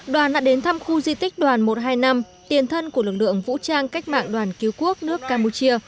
đoàn đã đến thăm khu di tích đoàn một trăm hai mươi năm tiền thân của lực lượng vũ trang cách mạng đoàn cứu quốc nước campuchia